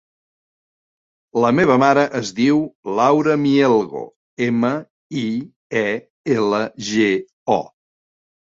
La meva mare es diu Laura Mielgo: ema, i, e, ela, ge, o.